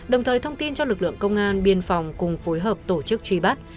đồng thời thông tin cho lực lượng công an biên phòng cùng phối hợp tổ chức truy bắt